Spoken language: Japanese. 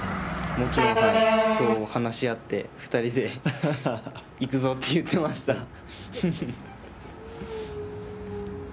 もちろん、そう話しあって２人で行くぞって言ってました。